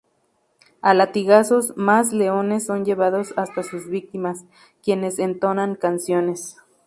A latigazos, más leones son llevados hasta sus víctimas, quienes entonan canciones.